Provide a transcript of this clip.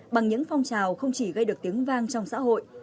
bằng những phong trào không chỉ gây được tiếng vang trong xã hội